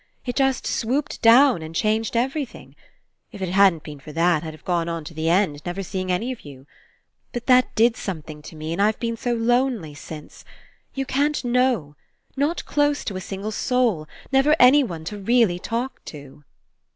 It just swooped down and changed everything. If it hadn't been for that, I'd have gone on to the end, never seeing any of you. But that did something to me, and I've been so lonely since! You can't know. Not close to a single soul. Never anyone to really talk to."